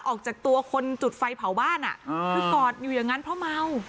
ออกจากตัวคนจุดไฟเผาบ้านคือกอดอยู่อย่างนั้นเพราะเมา